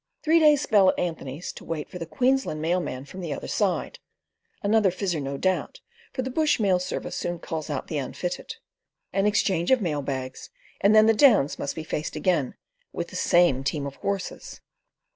Three days' spell at Anthony's, to wait for the Queensland mail man from the "other side" (another Fizzer no doubt, for the bush mail service soon culls out the unfitted), an exchange of mail bags, and then the Downs must be faced again with the same team of horses.